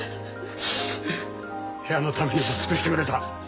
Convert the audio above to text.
部屋のためにも尽くしてくれた。